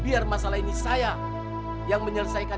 biar masalah ini saya yang menyelesaikan